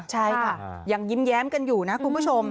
ใช่ค่ะยังยิ้มแย้มกันอยู่นะคุณผู้ชม